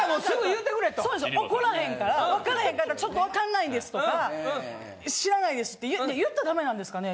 怒らへんから分からへんかったら「ちょっと分かんないです」とか「知らないです」って言ったらダメなんですかね？